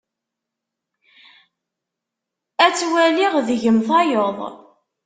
Ad twaliɣ deg-m tayeḍ.